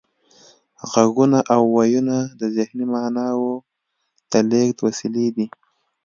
غږونه او وییونه د ذهني معناوو د لیږد وسیلې دي